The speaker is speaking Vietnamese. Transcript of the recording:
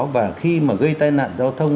và khi mà gây tai nạn giao thông